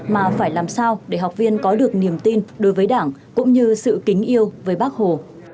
mà phải làm sao để học viên có được niềm tin đối với đảng cũng như sự kính yêu với bác hồ